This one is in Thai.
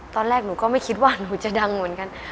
ตอนแรกหนูก็ไม่คิดว่าหนูจะดังเหมือนกัน